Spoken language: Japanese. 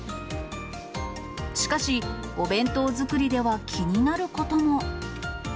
しかし、お弁当作りでは気になることも。